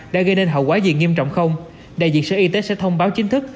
đã gây nên hậu quả gì nghiêm trọng không đại diện sở y tế sẽ thông báo chính thức